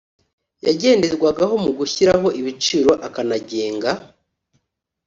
Yagenderwaho mu gushyiraho ibiciro akanagenga